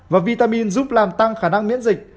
và vitamin giúp làm tăng khả năng miễn dịch